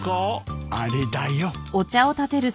あれだよ。